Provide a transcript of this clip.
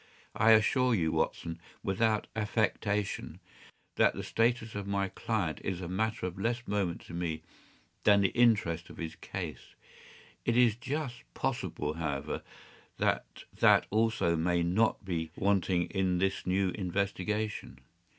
” “I assure you, Watson, without affectation, that the status of my client is a matter of less moment to me than the interest of his case. It is just possible, however, that that also may not be wanting in this new investigation.